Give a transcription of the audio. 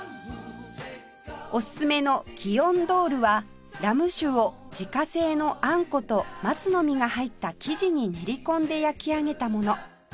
おすすめのキヨンドールはラム酒を自家製のあんこと松の実が入った生地に練り込んで焼き上げたもの